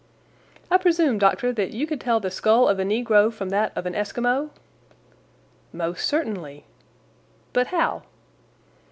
"I presume, Doctor, that you could tell the skull of a negro from that of an Esquimau?" "Most certainly." "But how?"